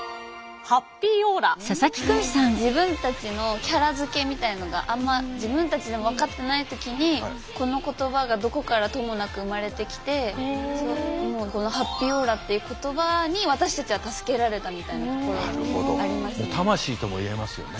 自分たちのキャラ付けみたいなのがあんま自分たちでも分かってない時にこの言葉がどこからともなく生まれてきてこの「ハッピーオーラ」っていう言葉に私たちは魂とも言えますよね。